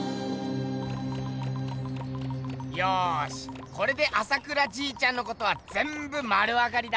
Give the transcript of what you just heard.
よしこれで朝倉じいちゃんのことはぜんぶ丸わかりだ！